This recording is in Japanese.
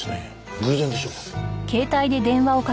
偶然でしょうか？